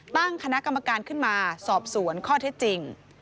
ตั้งคณะกรรมการขึ้นมาสอบสวนข้อเท็จจริง